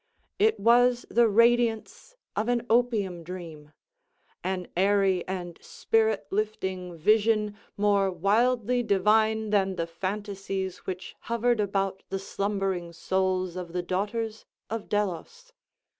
It was the radiance of an opium dream—an airy and spirit lifting vision more wildly divine than the phantasies which hovered about the slumbering souls of the daughters of Delos.